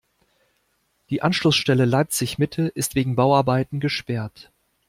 Die Anschlussstelle Leipzig-Mitte ist wegen Bauarbeiten gesperrt.